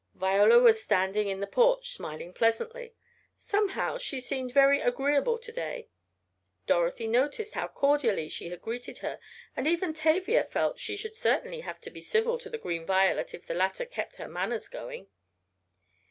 Viola was standing on the porch smiling pleasantly. Somehow she seemed very agreeable to day. Dorothy noticed how cordially she had greeted her, and even Tavia felt she should certainly have to be civil to the "Green Violet" if the latter kept her "manners going."